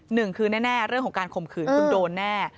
หนึ่งคือแน่เรื่องของการข่มขืนคุณโดนแน่